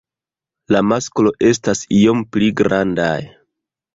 La masklo estas iom pli grandaj.